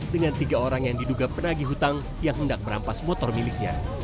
dengan tiga orang yang diduga penagi hutang yang hendak merampas motor miliknya